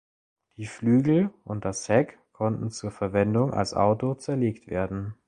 Die Flügel und das Heck konnten zur Verwendung als Auto zerlegt werden.